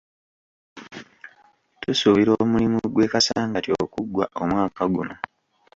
Tusuubira omulimu gw'e Kasangati okuggwa omwaka guno.